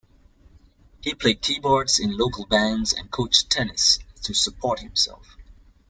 He played keyboards in local bands and coached tennis to support himself.